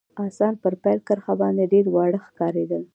اسان پر پیل کرښه باندي ډېر واړه ښکارېدل.